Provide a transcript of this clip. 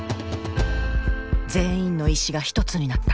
全員の意思が一つになった。